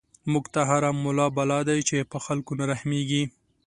موږ ته هر ملا بلا دی، چی په خلکو نه رحميږی